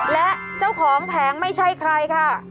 และเจ้าของแผงไม่ใช่ใครค่ะ